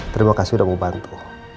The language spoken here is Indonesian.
terima kasih sudah membantu